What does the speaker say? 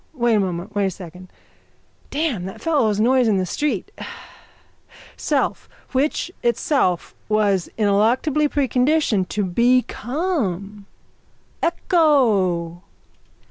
Wait a moment. Wait a second. Damn that fellow's noise in the street. Self which it itself was ineluctably preconditioned to become. _Ecco!